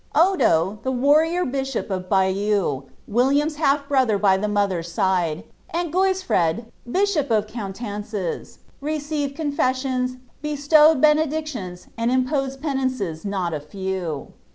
" Odo, (he warrior bishop of Buyeux, William's half brother by the BioAer's side, and Goisfred, bishop of Coutauces, received coufessioiWt 'ItUtowed benedictions, and imposed penances not a few."